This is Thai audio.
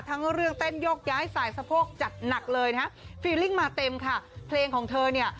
ทั้งเรื่องเต้นโยกย้ายสายสะโพกจัดหนักเลยนะฮะฟีลิ่งมาเต็มค่ะเพลงของเธอเนี่ย